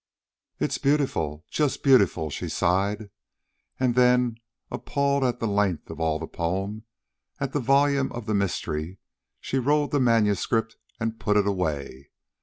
"It's beautiful, just beautiful," she sighed. And then, appalled at the length of all the poem, at the volume of the mystery, she rolled the manuscript and put it away.